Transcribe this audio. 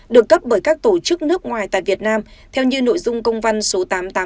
được cấp bởi các tổ chức nước ngoài tại việt nam theo như nội dung công văn số tám trăm tám mươi tám